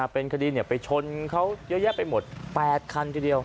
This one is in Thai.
เป็นคดีไปชนเขาเยอะแยะไปหมด๘คันทีเดียว